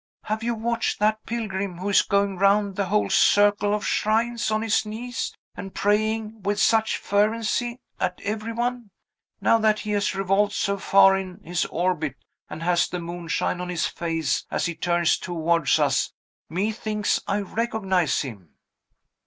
"Have you watched that pilgrim, who is going round the whole circle of shrines, on his knees, and praying with such fervency at every one? Now that he has revolved so far in his orbit, and has the moonshine on his face as he turns towards us, methinks I recognize him!"